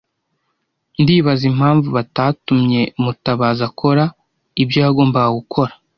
Ndibaza impamvu batatumye Mutabazi akora ibyo yagombaga gukora.